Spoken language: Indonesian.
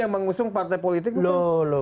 yang membuat visi visi nya partai politik bukan